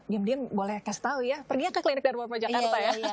mungkin boleh kasih tau ya perginya ke klinik darwaba jakarta ya